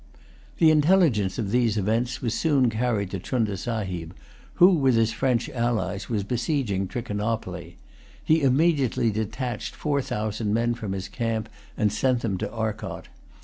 The intelligence of these events was soon carried to Chunda Sahib, who, with his French allies, was besieging Trichinopoly. He immediately detached four thousand men from his camp, and sent them to Arcot.